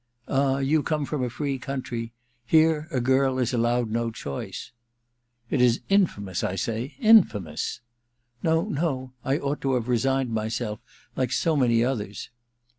* Ah, you come from a free country. Here a girl is allowed no choice.' * It is infamous, I say — infamous !'* No, no — I ought to have resigned myself, like so many others.'